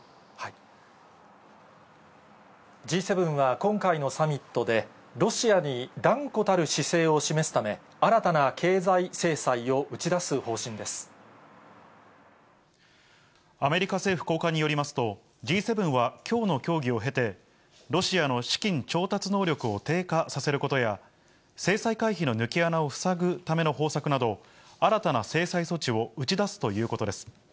Ｇ７は今回のサミットで、ロシアに断固たる姿勢を示すため、新たな経済制裁を打ち出す方針でアメリカ政府高官によりますと、Ｇ７はきょうの協議を経て、ロシアの資金調達能力を低下させることや、制裁回避の抜け穴を塞ぐための方策など、新たな制裁措置を打ち出すということです。